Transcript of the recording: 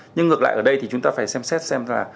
nhưng ngược lại ở đây thì chúng ta phải xem xét xem là